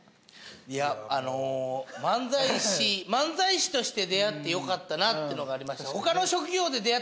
いやあの漫才師漫才師として出会ってよかったなってのがありました。